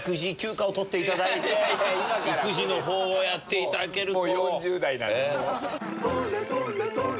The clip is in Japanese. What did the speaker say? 今から⁉育児のほうをやっていただけると。